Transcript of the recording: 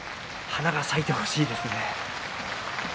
花が咲いてほしいですね。